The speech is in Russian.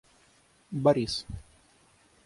Борис